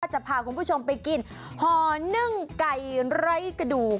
จะพาคุณผู้ชมไปกินห่อนึ่งไก่ไร้กระดูก